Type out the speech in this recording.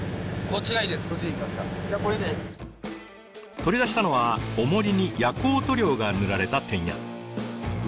取り出したのはおもりに夜光塗料が塗られたテンヤ。